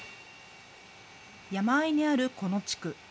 山あいにあるこの地区。